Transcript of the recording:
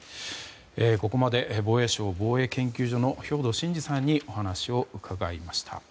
ここまで防衛省防衛研究所の兵頭慎治さんにお話を伺いました。